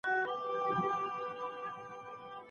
مهرباني د انسان په شخصیت کي ښکلا ده.